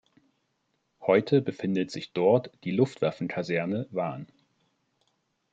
Heute befindet sich dort die Luftwaffenkaserne Wahn.